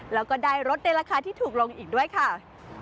แล้วก็ได้รถในราคาที่ถูกลงอีกด้วยค่ะ